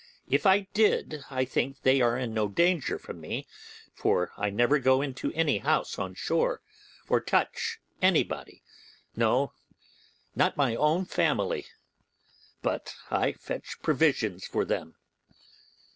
If I did, I think they are in no danger from me, for I never go into any house on shore, or touch anybody, no, not of my own family; but I fetch provisions for them.